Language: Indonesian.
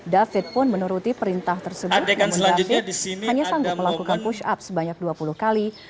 david pun menuruti perintah tersebut namun david hanya sanggup melakukan push up sebanyak dua puluh kali